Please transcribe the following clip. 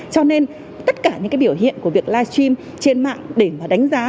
cho nên tất cả những cái biểu hiện của việc live stream trên mạng để mà đánh giá